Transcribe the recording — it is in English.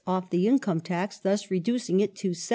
off the income tax, thus reducing it to 7d.